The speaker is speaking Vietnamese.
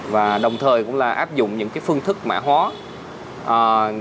và đồng thời cũng là áp dụng những phương thức mã hóa